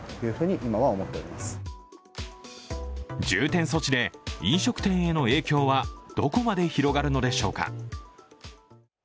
重点措置で飲食店への影響はどこまで広がるのでしょうか。